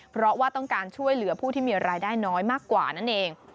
เพราะว่าต้องการช่วยเหลือผู้ที่มีรายได้น้อยมากกว่านั่นเอง